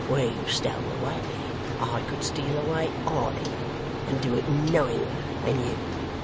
Where you stole away, I could steal away arter you, and do it knowinger than you.